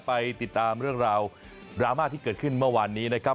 ไปติดตามเรื่องราวดราม่าที่เกิดขึ้นเมื่อวานนี้นะครับ